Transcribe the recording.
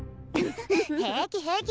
平気平気！